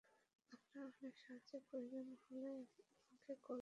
আপনার কোন সাহায্যর প্রয়োজন হলে, আমাকে কল করবেন।